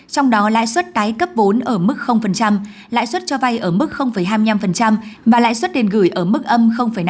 trong đó lãi suất tái cấp vốn ở mức lãi suất cho vay ở mức hai mươi năm và lãi suất tiền gửi ở mức âm năm